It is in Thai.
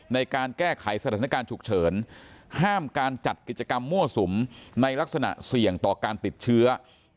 ในการแก้ไขสถานการณ์ฉุกเฉินห้ามการจัดกิจกรรมมั่วสุมในลักษณะเสี่ยงต่อการติดเชื้อ